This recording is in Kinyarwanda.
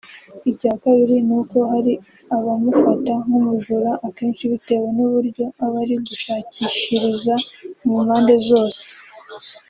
Icya Kabiri ni uko hari abamufata nk’umujura akenshi bitewe n’uburyo aba ari gushakishiriza mu mpande zose